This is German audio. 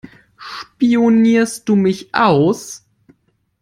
Spionierst du mich aus?